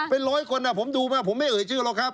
เป็น๑๐๐คนผมดูว่าผมไม่เอ่ยชื่อละครับ